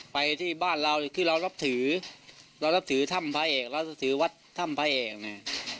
ไปที่บ้านเราที่เรานับถือเรานับถือถ้ำพระเอกเราจะถือวัดถ้ำพระเอกเนี่ย